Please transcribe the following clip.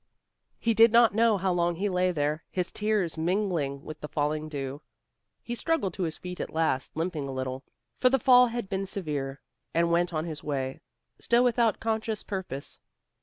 He did not know how long he lay there, his tears mingling with the falling dew. He struggled to his feet at last, limping a little, for the fall had been severe, and went on his way, still without conscious purpose.